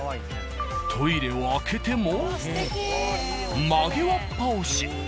トイレを開けても曲げわっぱ推し。